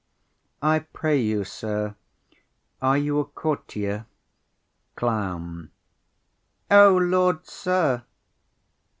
I pray you, sir, are you a courtier? CLOWN. O Lord, sir!